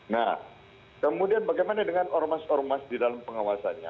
nah kemudian bagaimana dengan ormas ormas di dalam pengawasannya